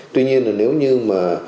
tuy nhiên là nếu như mà